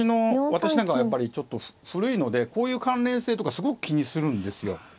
私なんかはやっぱりちょっと古いのでこういう関連性とかすごく気にするんですよ。